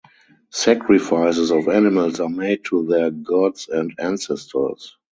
Sacrifices of animals are made to their gods and ancestors.